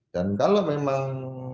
dan kalau memang